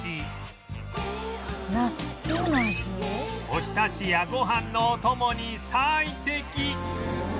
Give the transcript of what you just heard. おひたしやご飯のお供に最適